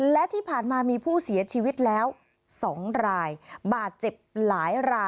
และที่ผ่านมามีผู้เสียชีวิตแล้ว๒รายบาดเจ็บหลายราย